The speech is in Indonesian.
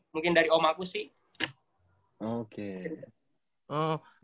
mungkin dari om aku sih